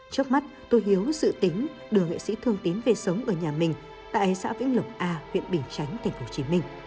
trước mắt tôi hiếu dự tính đưa nghệ sĩ thương tín về sống ở nhà mình tại xã vĩnh lộc a huyện bình chánh tp hcm